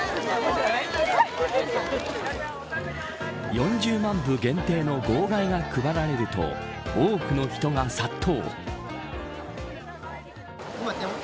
４０万部限定の号外が配られると多くの人が殺到。